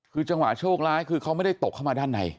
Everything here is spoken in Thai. คือจังหวะโชคร้ายคือเขาไม่ได้ตกเข้ามาด้านใน